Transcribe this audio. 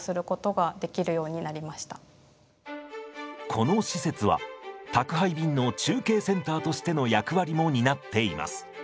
この施設は宅配便の中継センターとしての役割も担っています。